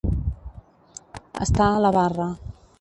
Estar a la barra.